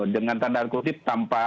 dengan tanda kutip tanpa